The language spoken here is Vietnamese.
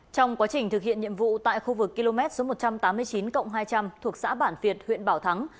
trong quá trình thực hiện nhiệm vụ tại khu vực km một trăm tám mươi chín cộng hai trăm linh thuộc xã bản việt huyện bảo thắng